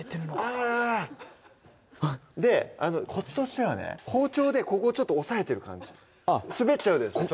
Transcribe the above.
あぁコツとしてはね包丁でここちょっと押さえてる感じ滑っちゃうでしょ